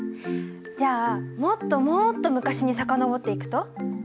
じゃあもっともっと昔に遡っていくと？